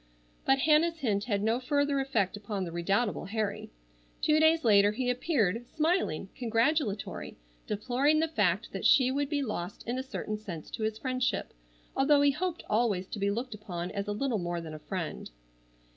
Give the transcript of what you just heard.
But Hannah's hint had no further effect upon the redoubtable Harry. Two days later he appeared, smiling, congratulatory, deploring the fact that she would be lost in a certain sense to his friendship, although he hoped always to be looked upon as a little more than a friend.